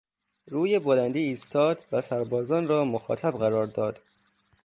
روی بلندی ایستاد و سربازان را مخاطب قرار داد.